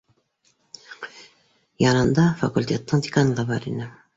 Янында факультеттың деканы ла бар ине.